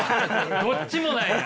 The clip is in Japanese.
どっちもなんや。